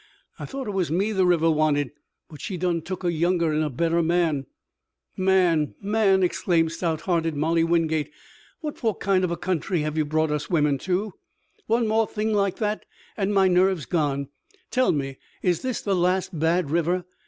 I thought hit was me the river wanted, but she's done took a younger an' a better man." "Man, man," exclaimed stout hearted Molly Wingate, "what for kind of a country have you brought us women to? One more thing like that and my nerve's gone. Tell me, is this the last bad river?